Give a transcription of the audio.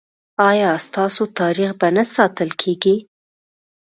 ایا ستاسو تاریخ به نه ساتل کیږي؟